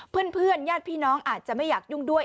ญาติพี่น้องอาจจะไม่อยากยุ่งด้วย